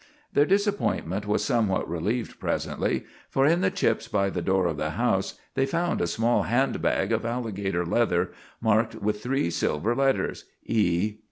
Their disappointment was somewhat relieved presently, for in the chips by the door of the house they found a small hand bag of alligator leather marked with three silver letters, "E.